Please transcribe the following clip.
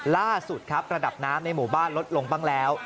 ล่าสุดครับระดับน้ำในหมู่บ้านลดลงบ้างแล้ว